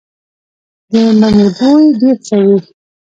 د مڼې بوی ډیر ښه وي.